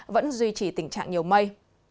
vẫn duy trì tình trạng nhiều mây